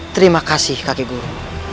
terima kasih kakek guru